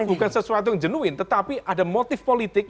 dan itu bukan sesuatu yang jenuin tetapi ada motif politik